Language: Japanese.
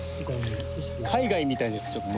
海外みたいですちょっと。